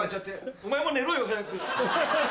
・お前も寝ろよ早く。